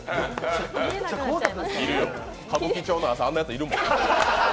歌舞伎町の朝、あんなやついるもん。